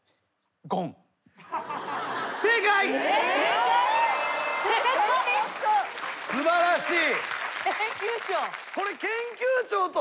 「ゴン」素晴らしい。